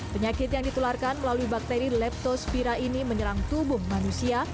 penyakit yang ditularkan melalui bakteri leptospira ini menyerang tubuh manusia